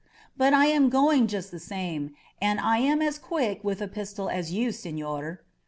'^ut I am going just the same. I am as quick with my pistol as you, sefior.